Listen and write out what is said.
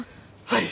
はい。